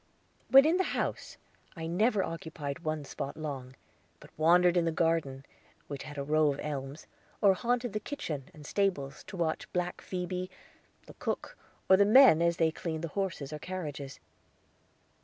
When in the house I never occupied one spot long, but wandered in the garden, which had a row of elms, or haunted the kitchen and stables, to watch black Phoebe, the cook, or the men as they cleaned the horses or carriages.